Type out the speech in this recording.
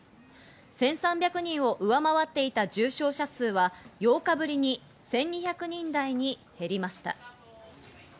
１３００人を上回っていた重症者数は８日ぶりに１２００人台に減りました。